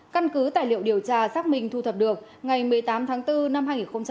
căn cứ tài liệu điều tra xác minh thu thập được ngày một mươi tám tháng bốn năm hai nghìn hai mươi